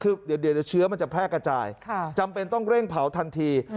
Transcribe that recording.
คือเดี๋ยวเชื้อมันจะแพร่กระจายจำเป็นต้องเร่งเผาทันที